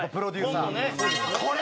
これ！